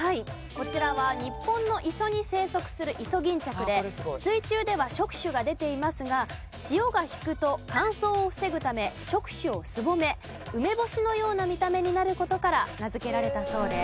こちらは日本の磯に生息するイソギンチャクで水中では触手が出ていますが潮が引くと乾燥を防ぐため触手をすぼめ梅干しのような見た目になる事から名付けられたそうです。